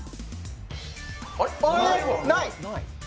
ない！